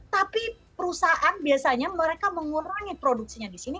tapi perusahaan biasanya mereka mengurangi produksinya di sini